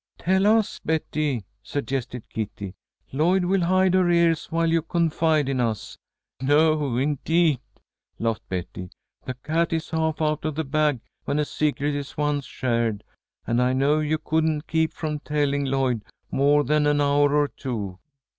"Tell us, Betty," suggested Kitty. "Lloyd will hide her ears while you confide in us." "No, indeed!" laughed Betty. "The cat is half out of the bag when a secret is once shared, and I know you couldn't keep from telling Lloyd more than an hour or two."